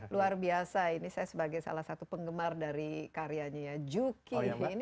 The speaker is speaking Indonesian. luar biasa ini saya sebagai salah satu penggemar dari karyanya ya juki ini